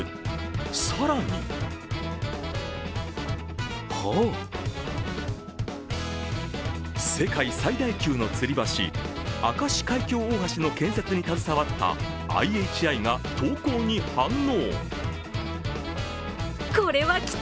更に世界最大級のつり橋、明石海峡大橋の建設に携わったＩＨＩが投稿に反応。